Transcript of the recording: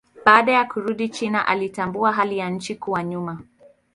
Baada ya kurudi China alitambua hali ya nchi kuwa nyuma.